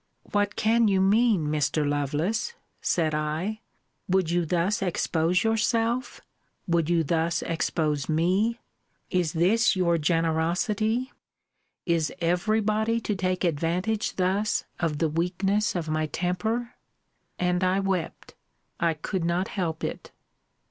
What can you mean, Mr. Lovelace? said I Would you thus expose yourself? Would you thus expose me? Is this your generosity? Is every body to take advantage thus of the weakness of my temper? And I wept. I could not help it.